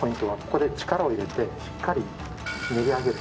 ここで力を入れてしっかり練り上げる。